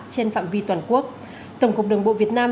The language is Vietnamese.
trên phạm vi toàn quốc tổng cục đường bộ việt nam